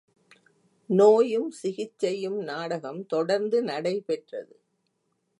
நோயும் சிகிச்சையும் நாடகம் தொடர்ந்து நடைபெற்றது.